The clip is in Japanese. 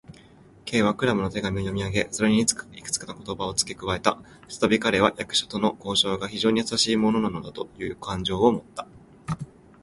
Ｋ はクラムの手紙を読みあげ、それにいくつかの言葉をつけ加えた。ふたたび彼は、役所との交渉が非常にやさしいものなのだという感情をもった。